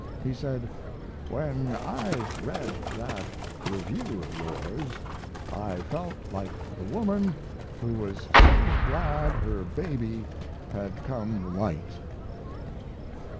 [He said: "When I read that review of yours, I felt like the woman who was so glad her baby had come white."